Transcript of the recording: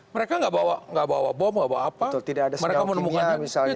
mereka tidak membawa bom tidak membawa apa